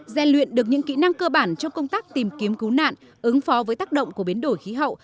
gian luyện được những kỹ năng cơ bản trong công tác tìm kiếm cứu nạn ứng phó với tác động của biến đổi khí hậu